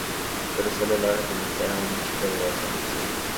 Pero sólo logra convencer a un chico de doce años.